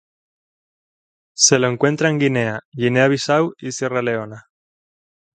Se lo encuentra en Guinea, Guinea-Bisáu y Sierra Leona.